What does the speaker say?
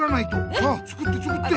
さあ作って作って！